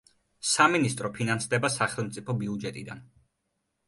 სამინისტრო ფინანსდება სახელმწიფო ბიუჯეტიდან.